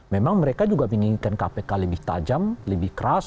memang mereka juga menginginkan kpk lebih tajam lebih keras